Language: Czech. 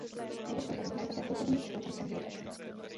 Důležitou roli hraje také v kulturním a společenském životě obce.